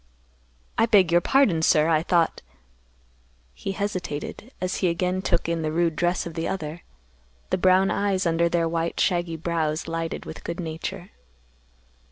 "I beg your pardon, sir. I thought—" He hesitated, as he again took in the rude dress of the other. The brown eyes, under their white shaggy brows, lighted with good nature.